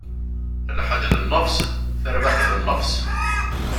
Lḥaǧ d nnefṣ, tarbaɛt d nnefṣ!